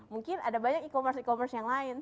mungkin ada banyak e commerce e commerce yang lain